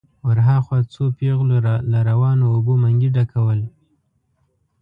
ور هاخوا څو پېغلو له روانو اوبو منګي ډکول.